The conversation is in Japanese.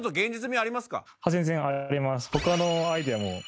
全然あります。